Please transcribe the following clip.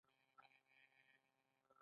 بکتریاوې یو حجروي موجودات دي